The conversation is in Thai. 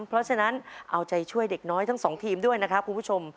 เพราะฉะนั้นเอาใจช่วยเด็กน้อยทั้งสองทีมด้วยนะครับคุณผู้ชม